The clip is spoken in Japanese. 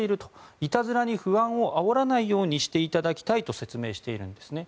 いたずらに不安をあおらないようにしていただきたいと説明しているんですね。